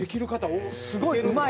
すごいうまい。